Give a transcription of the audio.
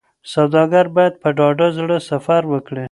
سوداګر باید په ډاډه زړه سفر وکړي.